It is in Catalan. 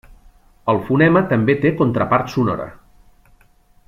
El fonema també té contrapart sonora.